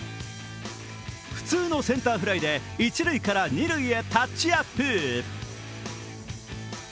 普通のセンターフライで一塁から二塁へタッチアップ。